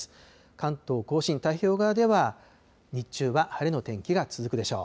関東甲信、太平洋側では日中は晴れの天気が続くでしょう。